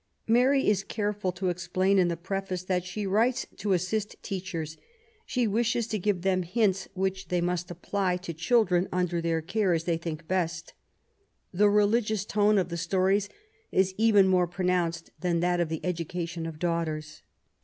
Mary is careful to explain in the preface that she writes to assist teachers. She wishes to give them hints which they must apply to LITERARY WORK. 85 the children under their care as they think best. The religious tone of the Stories is even more pronounced than that of the Education of Daughters.